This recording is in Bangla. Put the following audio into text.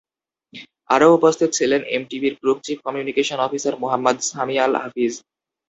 আরও উপস্থিত ছিলেন এমটিবির group chief communication officer Mohammad Sami Al হাফিজ।